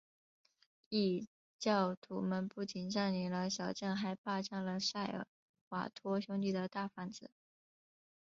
异教徒们不仅占领了小镇还霸占了塞尔瓦托兄弟的大房子。